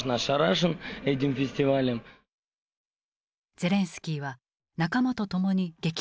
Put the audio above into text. ゼレンスキーは仲間と共に劇団を結成。